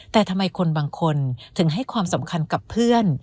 แต่ทำไมคนบางคนถึงให้ความสำคัญกับเพื่อน